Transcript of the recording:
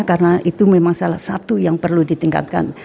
karena itu memang salah satu yang perlu ditingkatkan